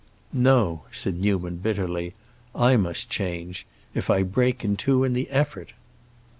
"No," said Newman, bitterly; "I must change—if I break in two in the effort!"